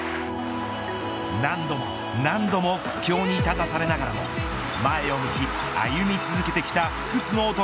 何度も何度も苦境に立たされながらも前を向き歩み続けてきた不屈の男